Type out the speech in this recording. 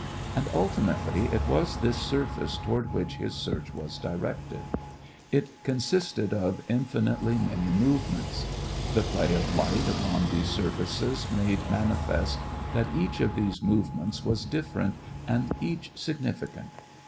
And ultimately it was this surface toward which his search was directed. It consisted of infinitely many movements. The play of light upon these surfaces made manifest that each of these movements was different and each significant.